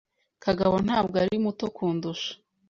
Kagabo ntabwo ari muto kundusha.